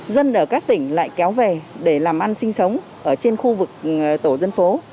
dân ở các tỉnh lại kéo về để làm ăn sinh sống ở trên khu vực tổ dân phố